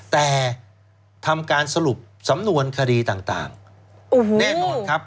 แต่ทำการสรุปสำนวนคดีต่างแน่นอนครับ